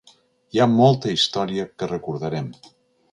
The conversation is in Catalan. Hi ha molta història que recordarem.